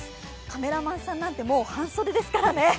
カメラマンさんなんてもう半袖ですからね。